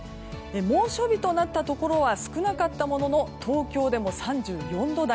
猛暑日となったところは少なかったものの東京でも３４度台。